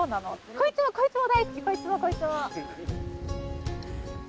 こいつもこいつも。